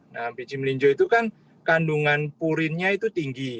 nah biji melinjo itu kan kandungan purinnya itu tinggi